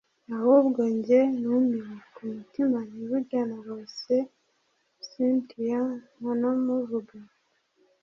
ahubwo njye numiwe! kumutima nti burya narose cyntia nkanamuvuga